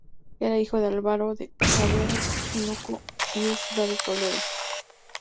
Era hijo de Álvaro de Cavero y Tinoco, y Úrsula de Toledo.